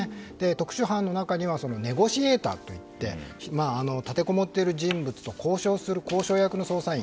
特殊班の中にはネゴシエーターといって立てこもっている人物と交渉する交渉役の捜査員。